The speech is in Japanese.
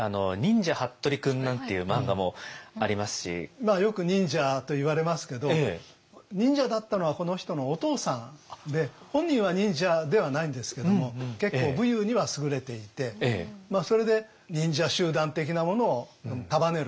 まあよく忍者といわれますけど忍者だったのはこの人のお父さんで本人は忍者ではないんですけども結構武勇には優れていてそれで忍者集団的なものを束ねる。